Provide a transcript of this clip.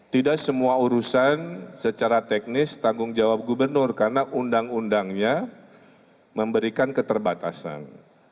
tidak semua urusan secara teknis tanggung jawab gubernur karena undang undangnya memberikan keterbatasan